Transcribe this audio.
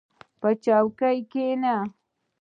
• په چوکۍ کښېنه.